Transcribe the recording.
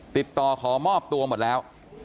ติดต่อขอมอบตัวหมดแล้ว